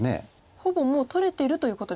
ほぼもう取れてるということですね